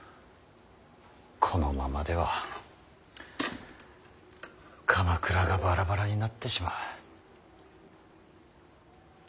このままでは鎌倉がバラバラになってしまう。